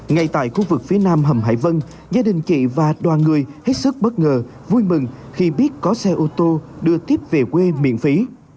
ngay tại khu vực phía nam hầm hải vân gia đình chị và đoàn người hết sức bất ngờ vui mừng khi biết có xe ô tô đưa tiếp về quê miễn phí